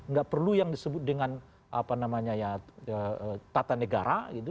nggak perlu yang disebut dengan apa namanya ya tata negara gitu